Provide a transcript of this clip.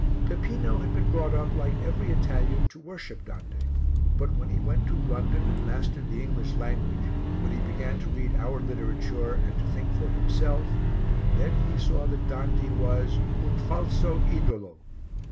Peppino had been brought up, like every Italian, to worship Dante, but when he went to London and mastered the English language, when he began to read our literature and to think for himself, then he saw that Dante was "un falso idolo."